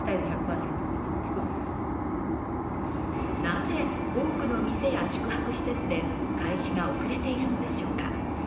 なぜ、多くの店や宿泊施設で開始が遅れているのでしょうか。